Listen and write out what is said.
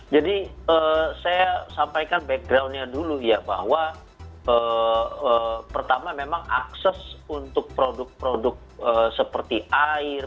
jadi saya sampaikan backgroundnya dulu ya bahwa pertama memang akses untuk produk produk seperti air